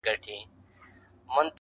• له خوښیو ټول کشمیر را سره خاندي..